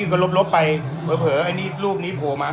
พี่ก็ลบเปลิงววกภิกษาโรคนี้โผล่มา